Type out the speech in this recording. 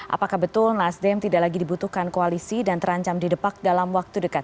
apakah betul nasdem tidak lagi dibutuhkan koalisi dan terancam didepak dalam waktu dekat